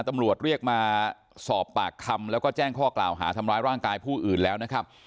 ตำรวจเรียกมาสอบปากคำแล้วก็แจ้งข้อกล่าวหาทำร้ายร่างกายผู้อื่นแล้วนะครับ